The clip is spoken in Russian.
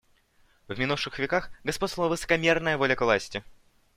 «В минувших веках господствовала высокомерная воля к власти.